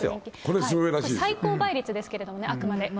最高倍率ですけどね、あくまで。